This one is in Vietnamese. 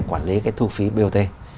quản lý cái thu phí bot